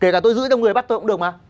kể cả tôi giữ cho người bắt tôi cũng được mà